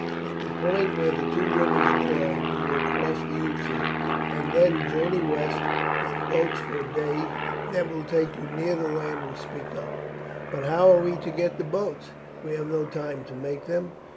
At the point where the two rivers join you will cross the Ouse, and then journey west in boats for a day; that will take you near the land we speak of." "But how are we to get the boats? We have no time to make them."